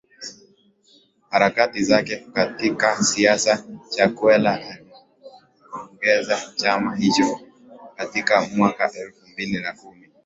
Harakati zake katika siasa Chakwera alikiongoza chama hicho katika mwaka elfu mbili na kumi